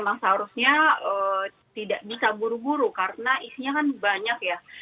memang seharusnya tidak bisa buru buru karena isinya kan banyak ya